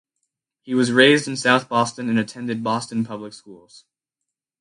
He was raised in South Boston and attended Boston Public Schools.